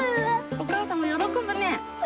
おかあさんも喜ぶね。